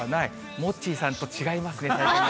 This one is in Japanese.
モッチーさんと違いますね、体感がね。